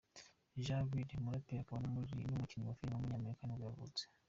Ja Rule, umuraperi akaba n’umukinnyi wa filime w’umunyamerika nibwo yavutse.